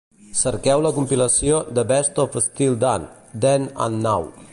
Cerqueu la compilació "The Best of Steely Dan: Then and Now".